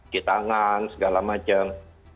di tangan segala macam